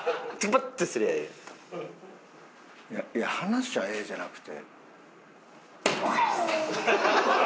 いや離しゃええじゃなくて。